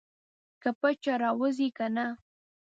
که پچه راوځي کنه.